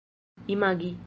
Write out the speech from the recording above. imagi